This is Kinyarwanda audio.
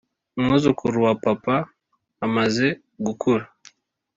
umwuzukuru wa papa amaze gukura